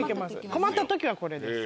困った時はこれです。